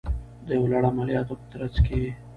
د یو لړ عملیاتو په ترڅ کې